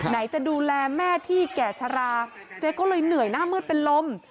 ไหนจะดูแลแม่ที่แก่ชะลาเจ๊ก็เลยเหนื่อยหน้ามืดเป็นลม